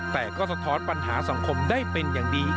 แต่ก็สะท้อนปัญหาสังคมได้เป็นอย่างดี